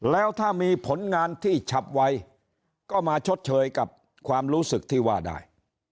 แล้วถ้ามีผลงานที่ฉับไวก็มาชดเชยกับความรู้สึกที่ว่าได้